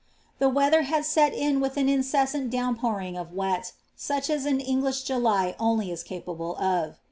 The weather had set in with an incessani dow»4 pouring of wet, such as an English July only is capable of.